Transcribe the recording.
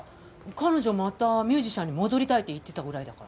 彼女またミュージシャンに戻りたいって言ってたぐらいだから。